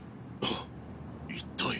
あっ一体。